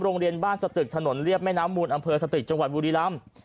โรงเรียนบ้านสตึกถนนเรียบแม่น้ำมูลอำเภอสตึกจังหวัดบุรีรำ